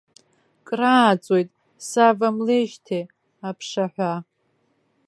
Крааҵуеит саавамлеижьҭеи аԥшаҳәа.